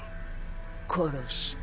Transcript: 殺した。